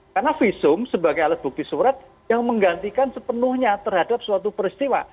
karena visum sebagai alat bukti surat yang menggantikan sepenuhnya terhadap suatu peristiwa